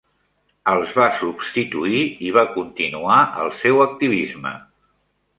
Els va substituir i va continuar el seu activisme.